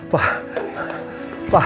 terima kasih banyak